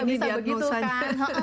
nggak bisa begitu kan